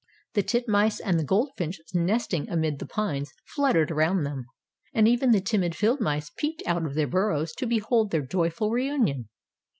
The tit mice and the gold finch nesting amid the pines fluttered around them, and even the timid field mice peeped out of their burrows to behold their joyful re union.